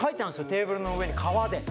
テーブルの上に革で。